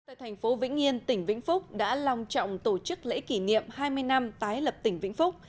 tại thành phố vĩnh yên tỉnh vĩnh phúc đã lòng trọng tổ chức lễ kỷ niệm hai mươi năm tái lập tỉnh vĩnh phúc